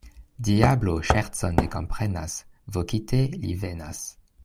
Diablo ŝercon ne komprenas, vokite li venas.